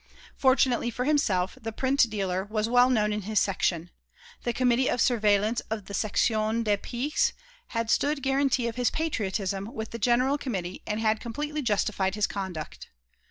Fortunately for himself, the print dealer was well known in his Section; the Committee of Surveillance of the Section des Piques had stood guarantee of his patriotism with the general committee and had completely justified his conduct.